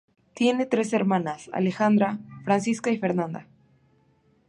Tiene tres hermanas: Alejandra, Francisca y Fernanda.